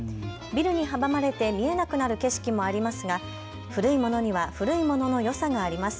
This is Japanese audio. ビルに阻まれて見えなくなる景色もありますが古いものには古いものの良さがあります。